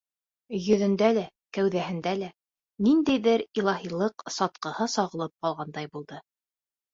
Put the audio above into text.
Йөҙөндә лә, кәүҙәһендә лә ниндәйҙер илаһилыҡ сатҡыһы сағылып ҡалғандай булды.